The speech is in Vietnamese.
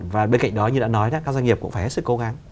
và bên cạnh đó như đã nói các doanh nghiệp cũng phải hết sức cố gắng